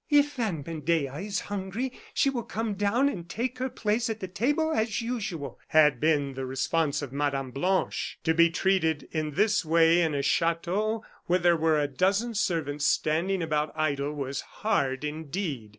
"If Aunt Medea is hungry, she will come down and take her place at the table as usual," had been the response of Mme. Blanche. To be treated in this way in a chateau where there were a dozen servants standing about idle was hard indeed.